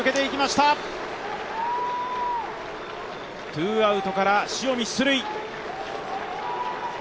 ツーアウトから塩見、出塁。